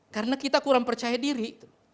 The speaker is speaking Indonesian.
karena kita kurang percaya diri